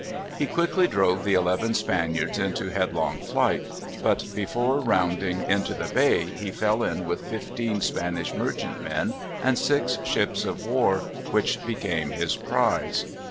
He quickly drove the eleven Spaniards into headlong flight, but before rounding into the bay he fell in with fifteen Spanish merchant men and six ships of war, which became his prize.